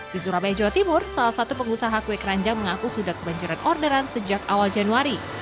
di surabaya jawa timur salah satu pengusaha kue keranjang mengaku sudah kebanjiran orderan sejak awal januari